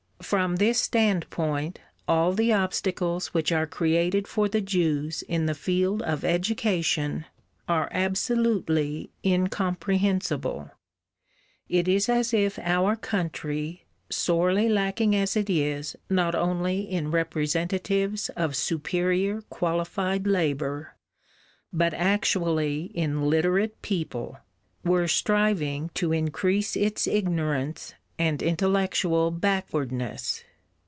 From this standpoint all the obstacles which are created for the Jews in the field of education are absolutely incomprehensible: it is as if our country, sorely lacking as it is not only in representatives of superior qualified labour, but actually in literate people, were striving to increase its ignorance and intellectual backwardness.